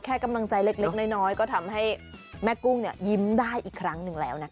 กำลังใจเล็กน้อยก็ทำให้แม่กุ้งยิ้มได้อีกครั้งหนึ่งแล้วนะคะ